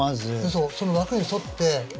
そうその枠に沿って。